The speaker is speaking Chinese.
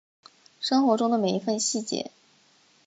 生活中的每一分细节